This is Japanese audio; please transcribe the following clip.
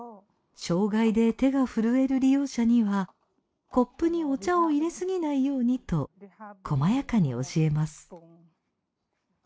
障がいで手が震える利用者にはコップにお茶を入れすぎないようにと細やかに教えます。